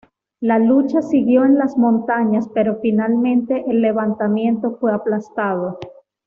La lucha siguió en las montañas, pero finalmente el levantamiento fue aplastado.